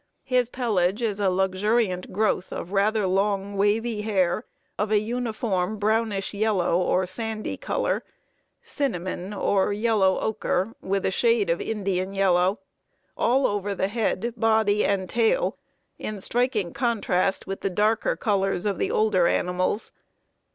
His pelage is a luxuriant growth of rather long, wavy hair, of a uniform brownish yellow or "sandy" color (cinnamon, or yellow ocher, with a shade of Indian yellow) all over the head, body, and tail, in striking contrast with the darker colors of the older animals.